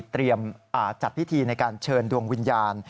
จัดพิธีในการเชิญดวงวิญญาณ